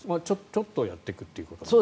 ちょっとやっていくという感じですか。